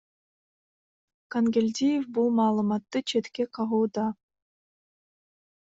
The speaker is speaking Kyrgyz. Кангелдиев бул маалыматты четке кагууда.